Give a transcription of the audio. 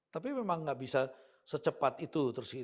tapi memang nggak bisa secepat itu